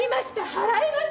払いますよ！